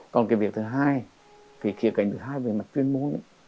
còn cái việc thứ hai kỳ kỳ cảnh thứ hai về mặt chuyên môn